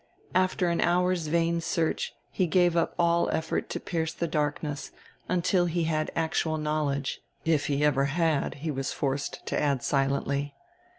After an hour's vain search he gave up all effort to pierce the darkness until he had actual knowledge if he ever had, he was forced to add silently.